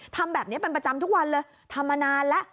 ทำแบบนี้เป็นประจำทุกวันเลยทำมานานแล้ว